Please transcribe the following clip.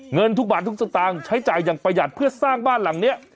เงินทุกบาททุกสตางค์ใช้จ่ายอย่างประหยัดเพื่อสร้างบ้านหลังนี้